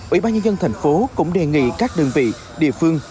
ủy ban nhân dân thành phố cũng đề nghị các đơn vị địa phương